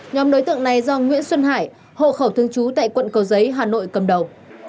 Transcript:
nhóm đối tượng này do nguyễn xuân hải hộ khẩu thương chú tại quận cầu giấy hà nội cầm đầu